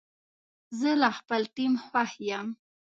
زه له خپل ټیم خوښ یم.